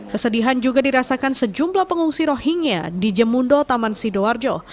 kesedihan juga dirasakan sejumlah pengungsi rohingya di jemundo taman sidoarjo